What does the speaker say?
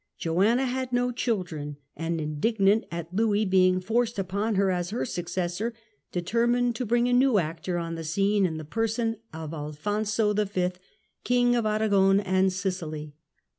Joanna had no children and, indignant at Louis being forced upon her as her successor, determined to bring a new actor on the scene, in the person of Alfonso V., King Joanna of Aragon and Sicily.